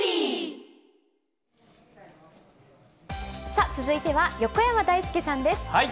さあ、続いては横山だいすけさんです。